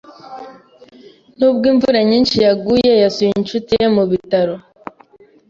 Nubwo imvura nyinshi yaguye, yasuye inshuti ye mu bitaro.